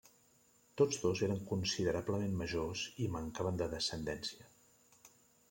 Tots dos eren considerablement majors i mancaven de descendència.